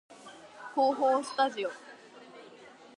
構法スタジオ